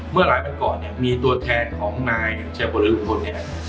เมื่อหลายมากก่อนเนี้ยมีตัวแทนของนายเชพบลิหรือลุงพลเนี้ย